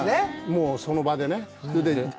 もうその場でね。